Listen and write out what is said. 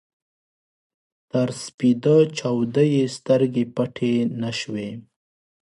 تر سپېده چاوده يې سترګې پټې نه شوې.